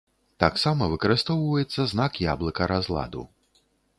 Таксама выкарыстоўваецца знак яблыка разладу.